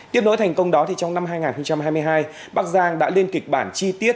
tiếp nối thành công đó thì trong năm hai nghìn hai mươi hai bắc giang đã lên kịch bản chi tiết